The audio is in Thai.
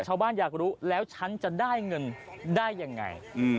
อยากรู้แล้วฉันจะได้เงินได้ยังไง